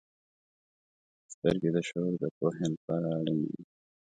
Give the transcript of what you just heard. • سترګې د شعور د پوهې لپاره اړینې دي.